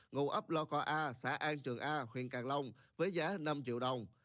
ngụ ấp lo khao a xã an trường a huyện càng long với giá năm triệu đồng